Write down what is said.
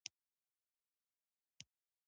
دا پټوکۍ ده